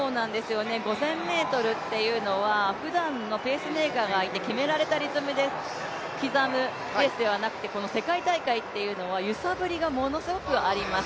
５０００ｍっていうのはふだんのペースメーカーがいて決められたリズムで刻むレースではなくて世界大会というのは揺さぶりがものすごくあります。